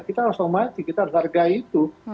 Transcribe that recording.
kita langsung maju kita harus hargai itu